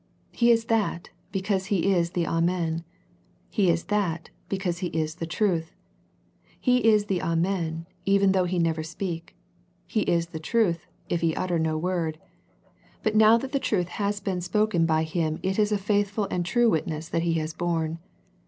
He is that, because He is the Amen. He is that, because He is the truth. He is the Amen, even though He never speak. He is the Truth, if He utter no word. But now that the truth has been spoken by Him it is a faith ful and true witness that He has borne.